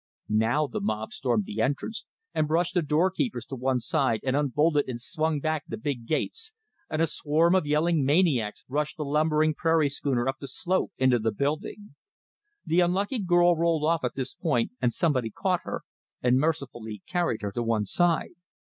Now the mob stormed the entrance, and brushed the door keepers to one side, and unbolted and swung back the big gates, and a swarm of yelling maniacs rushed the lumbering prairie schooner up the slope into the building. The unlucky girl rolled off at this point, and somebody caught her, and mercifully carried her to one side.